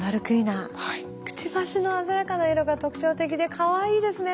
くちばしの鮮やかな色が特徴的でかわいいですね。